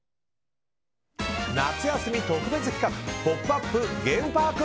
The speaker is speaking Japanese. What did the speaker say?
夏休み特別企画「ポップＵＰ！」